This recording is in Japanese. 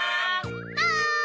はい！